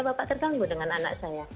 bapak terganggu dengan anak saya